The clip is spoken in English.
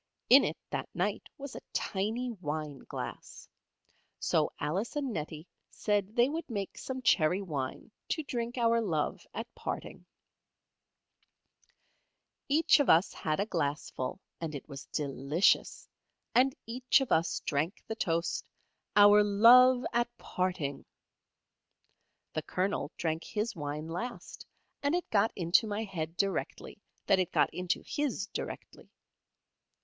In it, that night, was a tiny wine glass. So Alice and Nettie said they would make some cherry wine to drink our love at parting. [Illustration: There was a most tremendous lot of cherries.] Each of us had a glassful, and it was delicious, and each of us drank the toast, "Our love at parting." The Colonel drank his wine last, and it got into my head directly that it got into his directly.